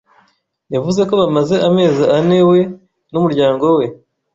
yavuze ko bamaze amezi ane we n umuryango we